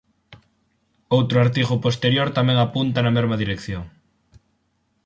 Outro artigo posterior tamén apunta na mesma dirección.